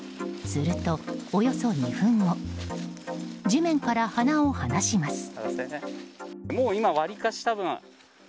すると、およそ２分後地面から鼻を離します。